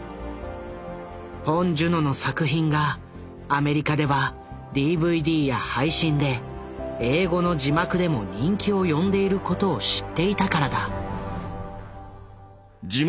ポン・ジュノの作品がアメリカではＤＶＤや配信で英語の字幕でも人気を呼んでいることを知っていたからだ。